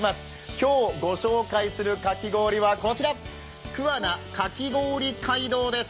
今日、ご紹介するかき氷はこちら桑名かき氷街道です。